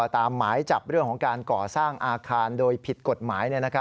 หมายจับเรื่องของการก่อสร้างอาคารโดยผิดกฎหมาย